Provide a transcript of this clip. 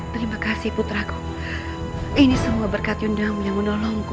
terima kasih puteraku ini semua berkat yunda yang menolongku